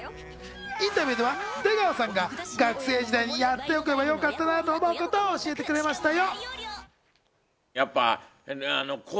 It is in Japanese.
インタビューでは出川さんが学生時代にやっておけばよかったなと思うことを教えてくれましたよ。